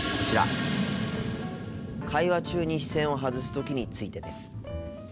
会話中に視線を外すときについてです。